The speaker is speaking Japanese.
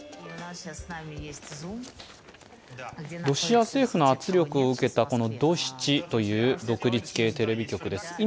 ロシア政府の圧力を受けたドシチという独立系テレビ局です。